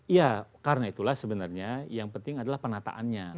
ya karena itulah sebenarnya yang penting adalah penataannya